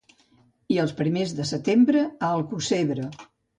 I els primers de setembre a Alcossebre.